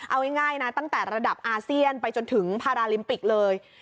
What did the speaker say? เอาง่ายนะตั้งแต่ระดับอาเซียนไปจนถึงพาราลิมปิกเลย